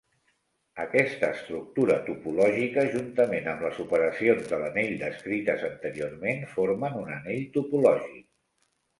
Aquesta estructura topològica, juntament amb les operacions de l'anell descrites anteriorment, formen un anell topològic.